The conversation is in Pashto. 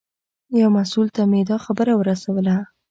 یو مسوول ته مې دا خبره ورسوله.